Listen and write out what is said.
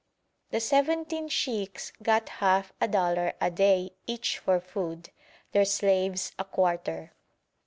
The seventeen sheikhs got half a dollar a day each for food, their slaves a quarter.